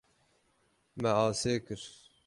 Me asê kir.